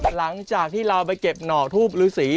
หลังจากที่เราไปเก็บหน่อทูบฤษี